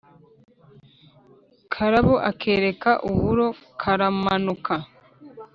karabo akereka uburo karamanuka.